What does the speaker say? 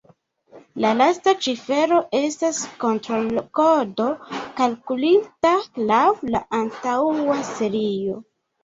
La lasta cifero estas kontrol-kodo kalkulita laŭ la antaŭa serio.